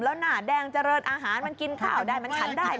แล้วหน้าแดงเจริญอาหารมันกินข้าวได้มันฉันได้